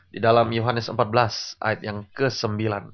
di dalam yohanis empat belas ayat yang ke sembilan